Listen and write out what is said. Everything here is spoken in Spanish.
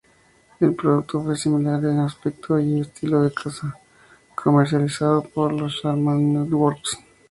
El producto fue similar en aspecto y estilo de Kazaa, comercializado por Sharman Networks.